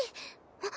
あっ。